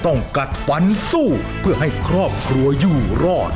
กัดฝันสู้เพื่อให้ครอบครัวอยู่รอด